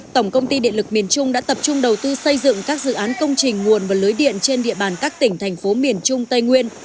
tổng công ty điện lực miền trung đã tập trung đầu tư xây dựng các dự án công trình nguồn và lưới điện trên địa bàn các tỉnh thành phố miền trung tây nguyên